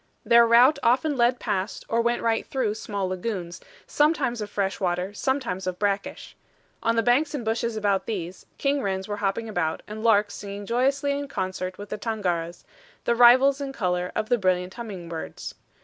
Their route often led past or went right through small lagoons, sometimes of fresh water, sometimes of brackish. On the banks and bushes about these, king wrens were hopping about and larks singing joyously in concert with the tangaras, the rivals in color of the brilliant humming birds.